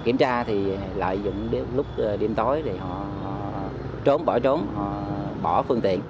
kiểm tra thì lợi dụng lúc đêm tối thì họ trốn bỏ trốn bỏ phương tiện